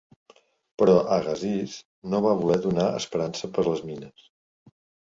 Però Agassiz no va voler donar esperança per les mines.